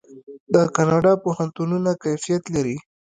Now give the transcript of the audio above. د کاناډا پوهنتونونه کیفیت لري.